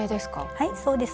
はいそうです。